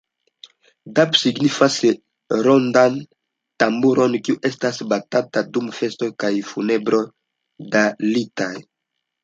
Dappu signifas rondan tamburon, kiu estas batata dum festoj kaj funebroj dalitaj.